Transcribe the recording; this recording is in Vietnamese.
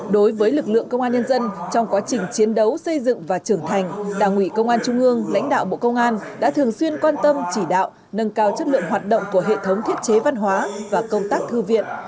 đối với lực lượng công an nhân dân trong quá trình chiến đấu xây dựng và trưởng thành đảng ủy công an trung ương lãnh đạo bộ công an đã thường xuyên quan tâm chỉ đạo nâng cao chất lượng hoạt động của hệ thống thiết chế văn hóa và công tác thư viện